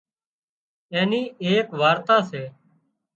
اين نِِي ايڪ وارتا سي